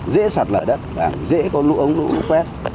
dễ sạt lở đất và dễ có lũ ống lũ quét